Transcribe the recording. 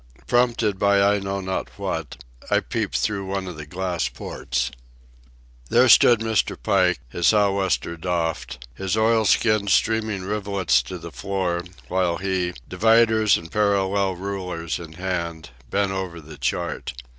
Prompted by I know not what, I peeped through one of the glass ports. There stood Mr. Pike, his sou'wester doffed, his oilskins streaming rivulets to the floor, while he, dividers and parallel rulers in hand, bent over the chart.